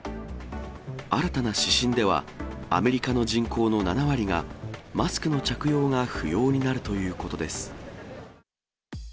新たな指針では、アメリカの人口の７割が、マスクの着用が不要になるということです。